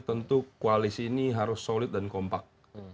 tentu koalisi ini harus solid dan kompak